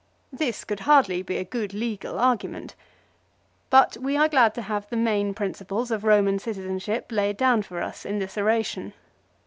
1 This could hardly be a good legal argument. But we are glad to have the main principles of Roman citizenship laid down for us in this oration.